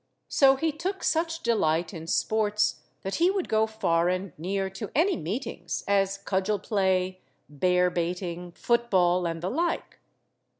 So he took such delight in sports that he would go far and near to any meetings, as cudgel–play, bear baiting, football, and the like.